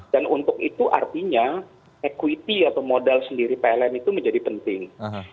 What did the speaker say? dan untuk itu artinya equity atau modal sendiri pln itu menjadi penting